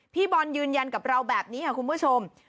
พี่บอลยืนยันกับเราแบบนี้ค่ะคุณผู้ชม